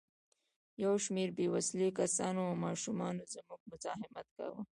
یو شمېر بې وسلې کسانو او ماشومانو زموږ مزاحمت کاوه.